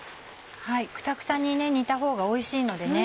クタクタに煮たほうがおいしいのでね。